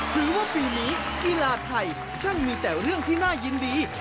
ว่าปีนี้กีฬาไทยช่างมีแต่เรื่องที่น่ายินดี